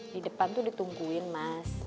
di depan tuh ditungguin mas